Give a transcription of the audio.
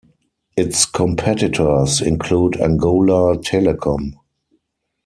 Its competitors include Angola Telecom.